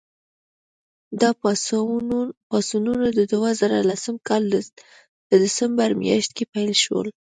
دا پاڅونونه د دوه زره لسم کال په ډسمبر میاشت کې پیل شول.